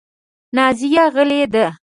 نازیه غلې ده .